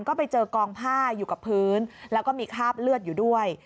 ก็ไปเจอกองผ้าอยู่กับพื้นแล้วก็มีคราบเลือดอยู่ด้วย